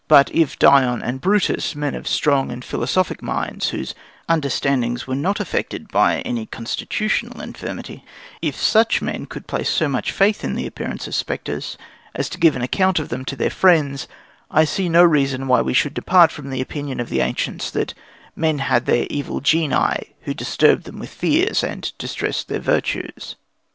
But if Dion and Brutus, men of strong and philosophic minds, whose understandings were not affected by any constitutional infirmity if such men could place so much faith in the appearance of spectres as to give an account of them to their friends, I see no reason why we should depart from the opinion of the ancients that men had their evil genii, who disturbed them with fears and distressed their virtues